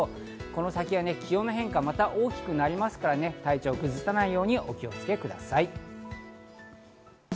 この先は気温の変化がまた大きくなりますから、体調を崩さないようにお気をつけください。